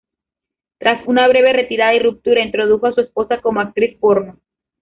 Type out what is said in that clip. Tras una breve retirada y ruptura, introdujo a su esposa como actriz porno.